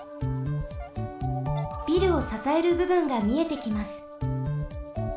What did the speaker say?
ビルをささえるぶぶんがみえてきます。